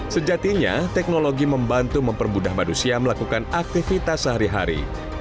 sejatinya teknologi membantu mempermudah manusia melakukan aktivitas sehari hari